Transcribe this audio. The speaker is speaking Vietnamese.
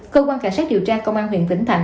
cơ quan cảnh sát điều tra công an huyện vĩnh thạnh